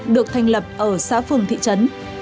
được thành lập ở xã phường thị trấn